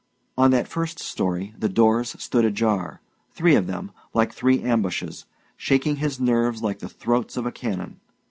On that first story, the doors stood ajar three of them, like three ambushes, shaking his nerves like the throats of cannon.